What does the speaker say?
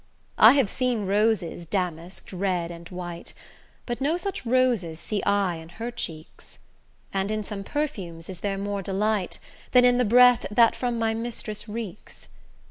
I have seen roses damask'd, red and white, But no such roses see I in her cheeks; And in some perfumes is there more delight Than in the breath that from my mistress reeks.